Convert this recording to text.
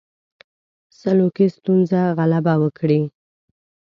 سلوکي ستونزو غلبه وکړي.